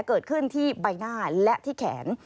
เกิดขึ้นที่ใบหน้าและที่แขน